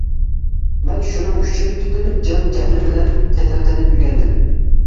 مەن شۇنىڭ ئۈچۈن پۈتۈن جان-جەھلىم بىلەن قېتىرقىنىپ ئۆگەندىم.